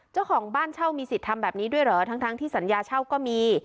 เจ้าของบ้านเช่ามีสิทธิ์ทำแบบนี้ด้วยเหรอทั้งที่สัญญาเช่าก็มี